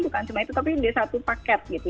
bukan cuma itu tapi satu paket gitu